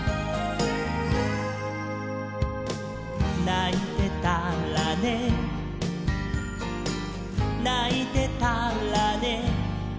「ないてたらねないてたらね」